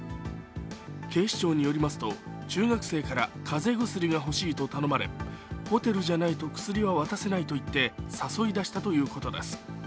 警視庁によりますと中学生から風邪薬がほしいと頼まれホテルじゃないと薬は渡せないといって誘い出したということです。